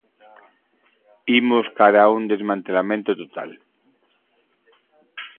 Imos cara a un desmantelamento total.